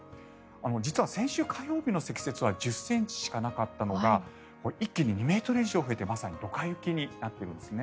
実は先週火曜日の積雪は１０ｃｍしかなかったのが一気に２ｍ以上増えてまさにドカ雪になっているんですね。